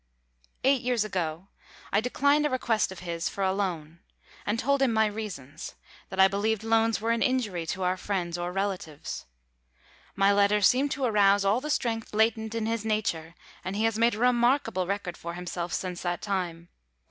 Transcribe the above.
Eight years ago I declined a request of his for a loan, and told him my reasons that I believed loans were an injury to our friends or relatives. My letter seemed to arouse all the strength latent in his nature, and he has made a remarkable record for himself since that time.